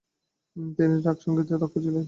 তিনি রাগসঙ্গীতেও দক্ষ ছিলেন।